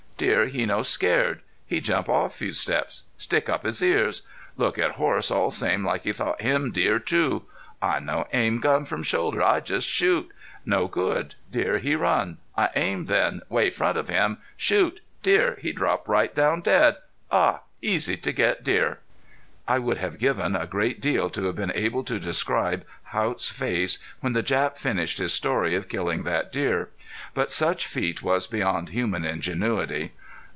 Deer he no scared. He jump off few steps stick up his ears look at horse all same like he thought him deer too. I no aim gun from shoulder. I just shoot. No good. Deer he run. I aim then way front of him shoot deer he drop right down dead.... Aw, easy to get deer!" I would have given a great deal to have been able to describe Haught's face when the Jap finished his story of killing that deer. But such feat was beyond human ingenuity.